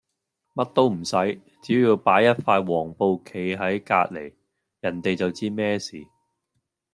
乜都唔洗，只要擺一塊黃布企係隔黎，人地就知咩事。